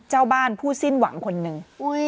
เจ้าบ้านผู้สิ้นหวังคนหนึ่ง